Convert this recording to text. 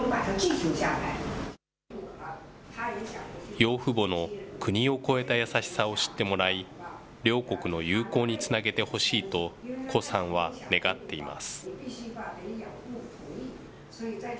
養父母の国を超えた優しさを知ってもらい、両国の友好につなげてほしいと、胡さんは願っています。